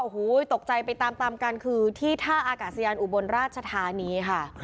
โอ้โหตกใจไปตามตามกันคือที่ท่าอากาศยานอุบลราชธานีค่ะ